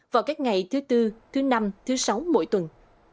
vào các ngày thứ tư thứ năm thứ sáu mỗi tuần